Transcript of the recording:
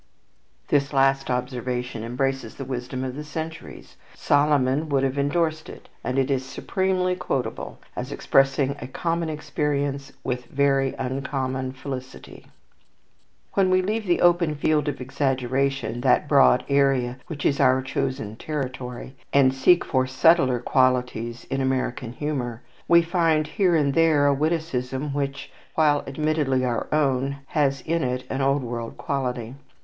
This last observation embraces the wisdom of the centuries. Solomon would have endorsed it, and it is supremely quotable as expressing a common experience with very uncommon felicity. When we leave the open field of exaggeration, that broad area which is our chosen territory, and seek for subtler qualities in American humour, we find here and there a witticism which, while admittedly our own, has in it an Old World quality.